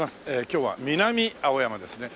今日は南青山ですね。